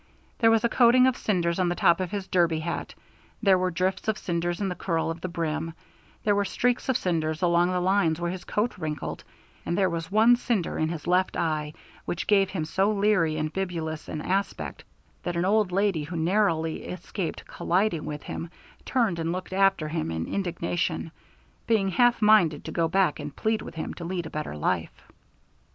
There was a coating of cinders on the top of his derby hat; there were drifts of cinders in the curl of the brim; there were streaks of cinders along the lines where his coat wrinkled; and there was one cinder in his left eye which gave him so leery and bibulous an aspect that an old lady who narrowly escaped colliding with him turned and looked after him in indignation, being half minded to go back and plead with him to lead a better life.